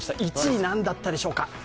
１位、何だったでしょうか。